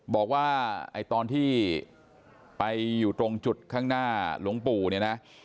บอกว่าไอ้ตอนที่ไปอยู่ตรงจุดข้างหน้าหลวงปู่เนี่ยนะ